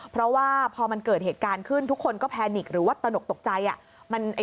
เพราะว่าพอมันเกิดเหตุการณ์ขึ้นทุกคนก็แพนิกหรือว่าตนกตกใจ